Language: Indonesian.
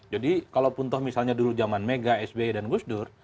jadi kalau pun misalnya dulu zaman mega sbi dan gusdur